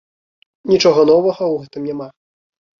Нічога новага ў гэтым няма.